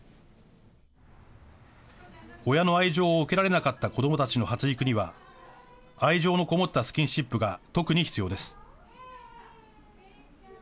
親の愛情を受けられなかった子どもたちの発育には、愛情の籠もったスキンシップが特に必要です。